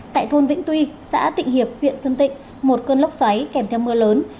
tại thôn vĩnh tuy xã tịnh hiệp huyện sơn tịnh một cơn lốc xoáy kèm theo mưa lớn